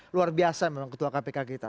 luar biasa memang ketua kpk kita